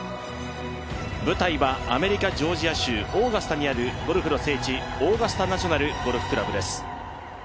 舞台はアメリカ・ジョージア州オーガスタにあるゴルフの聖地、オーガスタ・ナショナル・ゴルフクラブです。